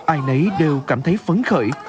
ai nấy đều cảm thấy phấn khởi